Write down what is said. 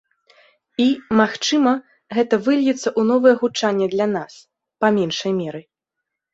І, магчыма, гэта выльецца ў новае гучанне для нас, па меншай меры.